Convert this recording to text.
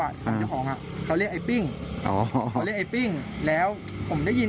ทางเจ้าของอ่ะเขาเรียกไอ้ปิ้งอ๋อเขาเรียกไอ้ปิ้งแล้วผมได้ยิน